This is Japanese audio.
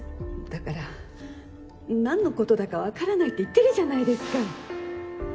だから何のことだか分からないって言ってるじゃないですか！